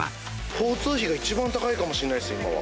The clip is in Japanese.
交通費が一番高いかもしんないです、今は。